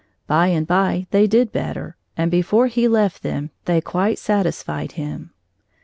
By and by they did better, and before he left them, they quite satisfied him.